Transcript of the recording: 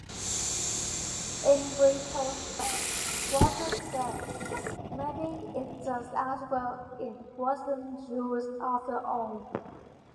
In retrospect, Waters said "maybe it's just as well it wasn't used after all".